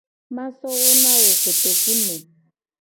Ma so wo na wo kotoku ne.